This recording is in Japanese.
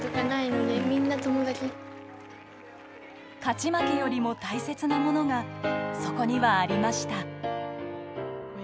勝ち負けよりも大切なものがそこにはありました。